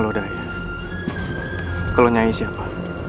lodaya kalau nyai siapa